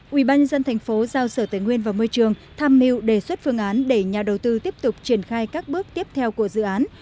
quỹ ban nhân dân tp hcm giao sở tế nguyên vào môi trường tham mưu đề xuất phương án để nhà đầu tư tiếp tục triển khai các bước tiếp theo của dự án